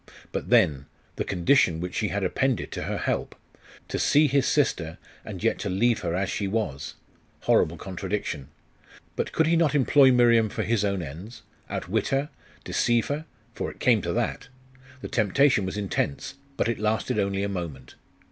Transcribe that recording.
But then the condition which she had appended to her help! To see his sister, and yet to leave her as she was! Horrible contradiction! But could he not employ Miriam for his own ends? outwit her? deceive her? for it came to that. The temptation was intense: but it lasted only a moment.